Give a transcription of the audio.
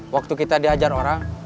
waktu kita diajar orang